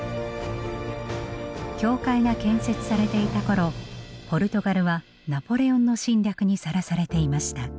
教会が建設されていたころポルトガルはナポレオンの侵略にさらされていました。